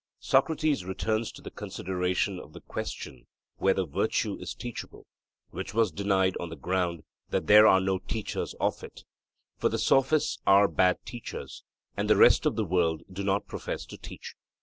Socrates returns to the consideration of the question 'whether virtue is teachable,' which was denied on the ground that there are no teachers of it: (for the Sophists are bad teachers, and the rest of the world do not profess to teach).